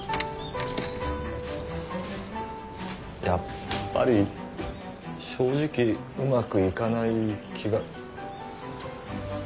やっぱり正直うまくいかない気が。